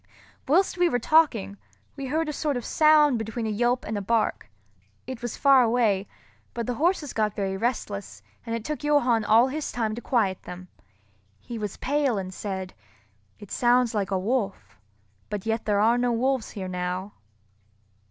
Whilst we were talking, we heard a sort of sound between a yelp and a bark. It was far away; but the horses got very restless, and it took Johann all his time to quiet them. He was pale and said, "It sounds like a wolf—but yet there are no wolves here now."